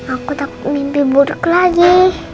aku takut mimpi buruk lagi